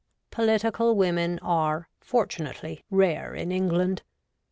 Political women are, fortunately, rare in England.